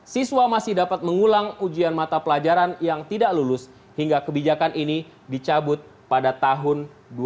siswa masih dapat mengulang ujian mata pelajaran yang tidak lulus hingga kebijakan ini dicabut pada tahun dua ribu dua